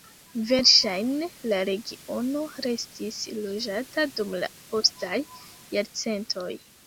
Verŝajne la regiono restis loĝata dum la postaj jarcentoj.